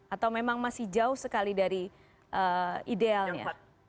atau memang masih jauh sekali dari idealnya